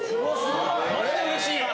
マジでうれしい！